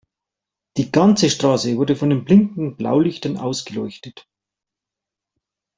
Die ganze Straße wurde von den blinkenden Blaulichtern ausgeleuchtet.